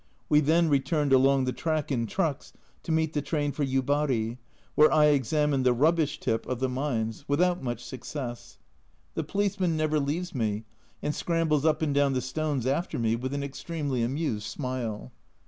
We then returned along the track in trucks to meet the train for Yubari, where I examined the rubbish tip of the mines, (c 128) C 1 8 A Journal from Japan without much success. The policeman never leaves me, and scrambles up and down the stones after me with an extremely amused smile.